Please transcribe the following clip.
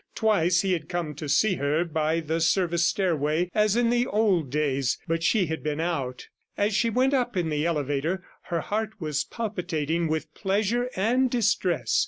Twice he had come to see her by the service stairway as in the old days, but she had been out. As she went up in the elevator, her heart was palpitating with pleasure and distress.